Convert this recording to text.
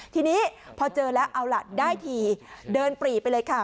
ทีนี้พอเจอแล้วเอาล่ะได้ทีเดินปรีไปเลยค่ะ